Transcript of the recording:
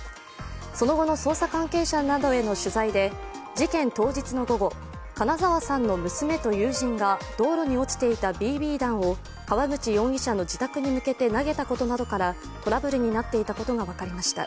その後の捜査関係者などへの取材で、事件当日の午後、金澤さんの娘と友人が道路に落ちていたＢＢ弾を川口容疑者の自宅に向けて投げたことなどからトラブルになっていたことが分かりました。